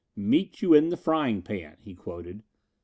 "'Meet you in the Frying Pan,'" he quoted.